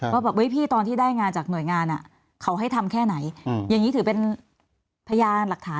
ว่าแบบพี่ตอนที่ได้งานจากหน่วยงานเขาให้ทำแค่ไหนอย่างนี้ถือเป็นพยานหลักฐาน